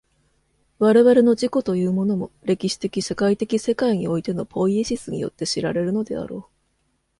我々の自己というものも、歴史的社会的世界においてのポイエシスによって知られるのであろう。